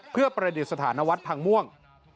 เพื่อประดิษฐานวัดพังม่วง